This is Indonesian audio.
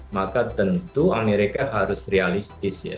maka tentu amerika harus realistis ya